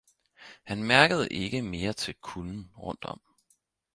han mærkede ikke mere til kulden rundt om.